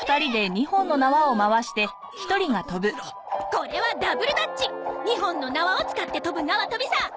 これはダブルダッチ！２本の縄を使って跳ぶなわとびさ！